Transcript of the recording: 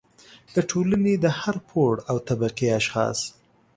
د ټولنې د هر پوړ او طبقې اشخاص